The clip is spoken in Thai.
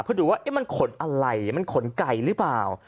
เพื่อดูว่ามันขนอะไรมันขนไก่หรือเปล่า